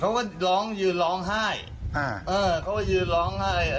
เขาก็ร้องยืนร้องไห้อ่าเออเขาก็ยืนร้องไห้